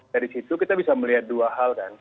dari situ kita bisa melihat dua hal kan